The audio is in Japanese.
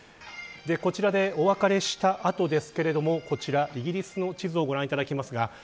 こちらで、お別れした後ですがイギリスの地図をご覧いただきます。